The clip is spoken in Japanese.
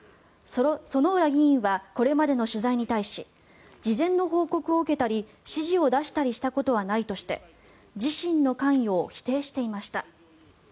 薗浦議員はこれまでの取材に対し事前の報告を受けたり指示を出したりしたことはないとしたうえで自身の関与を否定していました。